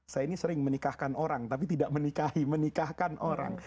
saya ini sering menikahkan orang tapi tidak menikahi menikahkan orang